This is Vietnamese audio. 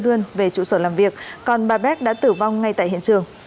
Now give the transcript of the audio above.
đường về trụ sở làm việc còn bà bac đã tử vong ngay tại hiện trường